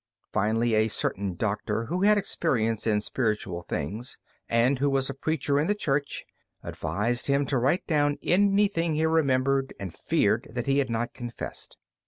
Finally, a certain doctor who had experience in spiritual things, and who was a preacher in the church, advised him to write down anything he remembered and feared that he had not confessed.